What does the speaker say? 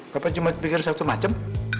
papa cuma pikirin satu macem